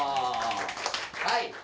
はい。